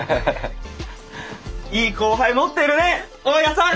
いい後輩もってるね大家さん！